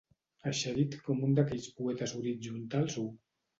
Eixerit com un d'aquells poetes d'horitzontals u.